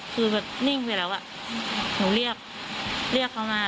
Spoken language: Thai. คือแบบนิ่งไปแล้วอ่ะหนูเรียกเขามา